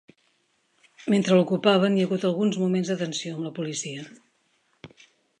Mentre l’ocupaven, hi ha hagut alguns moments de tensió amb la policia.